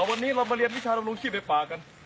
วันนี้เรามาเรียนวิชาดำรงชีพในป่ากัน